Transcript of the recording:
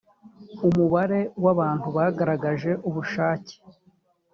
umubare w’abantu bagaragaje ubushake